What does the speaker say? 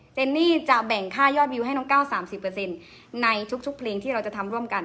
เจนนี่จะแบ่งค่ายอดวิวให้น้องก้าวสามสิบเปอร์เซ็นต์ในทุกทุกเพลงที่เราจะทำร่วมกัน